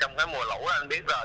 trong cái mùa lũ anh biết rồi